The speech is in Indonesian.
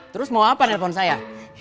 terus mau apa nelpon saya